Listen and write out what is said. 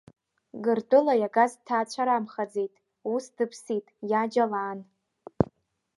Гыртәыла иагаз дҭаацәарамхаӡеит, ус дыԥсит иаџьал аан.